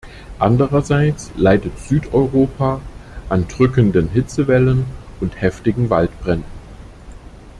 Andererseits leidet Südeuropa an drückenden Hitzewellen und heftigen Waldbränden.